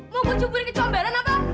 mau gue cuburin kecomberan apa